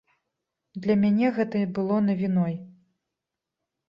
Для мяне гэта было навіной.